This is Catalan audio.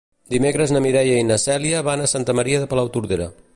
Dimecres na Mireia i na Cèlia van a Santa Maria de Palautordera.